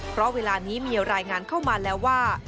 เพราะเวลานี้มีรายงานเข้ามาแล้วว่า